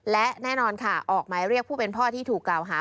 และแน่นอนค่ะออกหมายเรียกผู้เป็นพ่อที่ถูกกล่าวหา